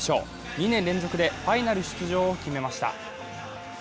２年連続でファイナル出場を決めました。